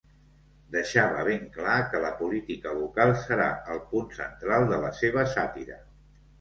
Deixava ben clar que la política local serà el punt central de la seva sàtira.